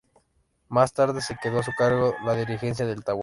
Más tarde se quedó a su cargo la dirigencia del tabor.